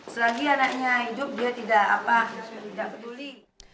selagi anaknya hidup dia tidak peduli